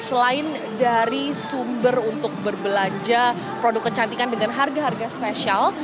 selain dari sumber untuk berbelanja produk kecantikan dengan harga harga spesial